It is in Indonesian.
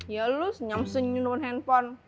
ya lu senyum senyumin depan handphone